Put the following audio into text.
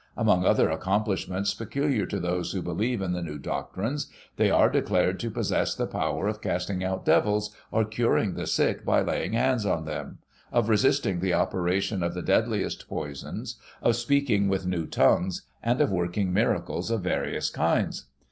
Among other accomplishments peculiar to those who believe in the new doctrines, they are declared to possess the power of casting out devils, or curing the sick by laying hands on them, of resisting the operation of the deadliest poisons, of speaking with new tongues, and of working miracles of various kinds.